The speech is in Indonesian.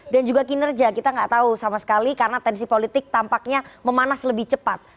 dan juga kinerja kita gak tahu sama sekali karena tensi politik tampaknya memanas lebih cepat